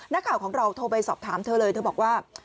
นักข่าวของเราโทรไปสอบถามเธอเลยเธอบอกว่า